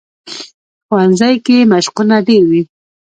ښوونځی کې مشقونه ډېر وي